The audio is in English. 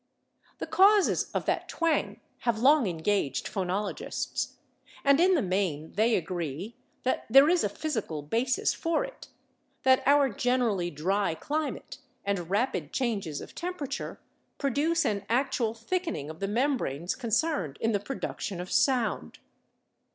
The causes of that twang have long engaged phonologists, and in the main they agree that there is a physical basis for it that our generally dry climate and rapid changes of temperature produce an actual thickening of the membranes concerned in the production of sound.